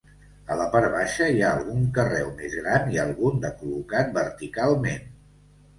A la part baixa hi ha algun carreu més gran i algun de col·locat verticalment.